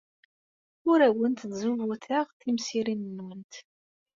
Ur awent-d-zzubuteɣ timsirin-nwent.